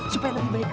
supaya lebih baik lagi